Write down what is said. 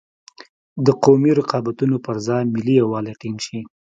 د قومي رقابتونو پر ځای ملي یوالی ټینګ شي.